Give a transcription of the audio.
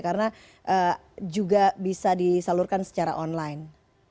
karena juga bisa disalurkan secara online